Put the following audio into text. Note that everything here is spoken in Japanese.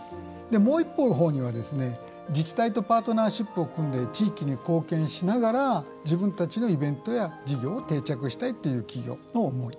もう一方のほうには自治体とパートナーシップを組んで地域に貢献しながら自分たちのイベントや定着したいという企業の思い。